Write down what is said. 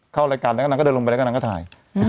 เข้ารายการนะก็เดินลงไปแล้วนางก็ถ่าย